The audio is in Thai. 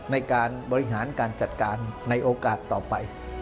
ในการบริหารการจัดการในโอกาสต่อไป